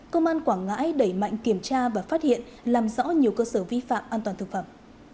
công an quảng ngãi đẩy mạnh kiểm tra và phát hiện làm rõ nhiều cơ sở vi phạm an toàn thực phẩm